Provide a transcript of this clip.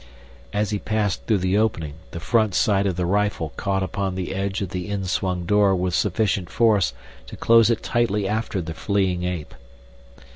As he passed through the opening, the front sight of the rifle caught upon the edge of the inswung door with sufficient force to close it tightly after the fleeing ape.